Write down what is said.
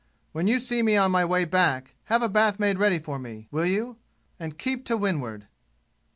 When you see me on my way back, have a bath made ready for me, will you and keep to windward!"